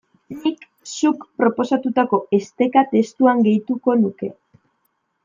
Nik zuk proposatutako esteka testuan gehituko nuke.